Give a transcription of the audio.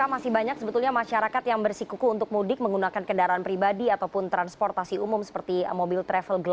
umat islam meningkatkan ibadah sosial